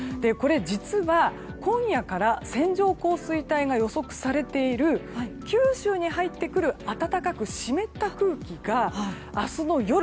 実は、今夜から線状降水帯が予測されている九州に入ってくる暖かく湿った空気が明日の夜